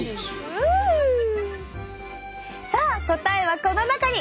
さあ答えはこの中に！